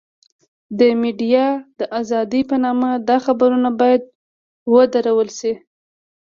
د ميډيا د ازادۍ په نامه دا خبرونه بايد ودرول شي.